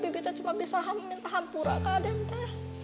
bibitnya cuma bisa meminta hampura ke adente